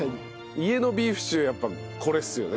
家のビーフシチューはやっぱこれっすよね。